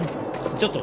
ちょっと。